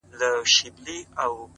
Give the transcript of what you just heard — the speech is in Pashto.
یوازې ما ته